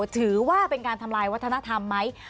ถือว่าเป็นการทำลายวัฒนธรรมไหม